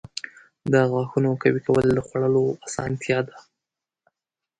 • د غاښونو قوي کول د خوړلو اسانتیا ده.